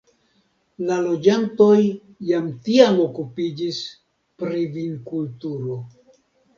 La loĝantoj jam tiam okupiĝis pri vinkulturo.